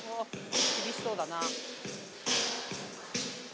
厳しそうだな。